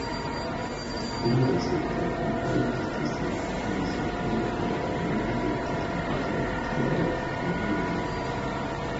Iliaj supraj flankoj, estis provizitaj per rondaj elstaraĵoj, kiel la nunaj.